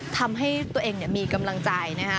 ทำให้ตัวเองมีกำลังใจนะฮะ